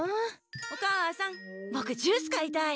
お母さんぼくジュース買いたい。